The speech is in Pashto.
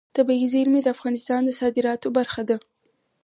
طبیعي زیرمې د افغانستان د صادراتو برخه ده.